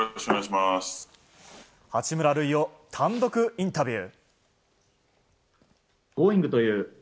八村塁を単独インタビュー。